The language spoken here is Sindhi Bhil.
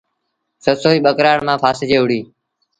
سسئيٚ ٻڪرآڙ مآݩ ڦآسجي وُهڙي۔